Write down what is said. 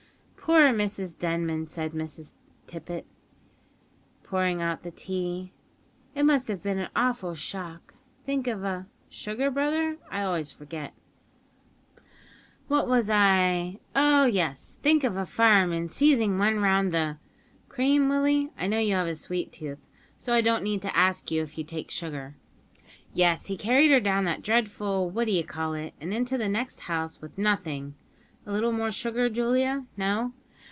"Poor Mrs Denman," said Miss Tippet, pouring out the tea; "it must have been an awful shock; think of a (Sugar, brother? I always forget), what was I oh, yes; think of a fireman seizing one round the (Cream, Willie? I know you have a sweet tooth, so I don't need to ask if you take sugar) yes, he carried her down that dreadful what d'ye call it, and into the next house with nothing (A little more sugar, Julia? No?